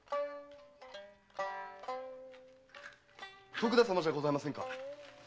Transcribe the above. ・徳田様じゃございませんか？